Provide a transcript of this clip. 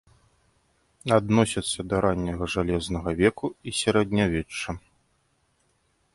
Адносяцца да ранняга жалезнага веку і сярэднявечча.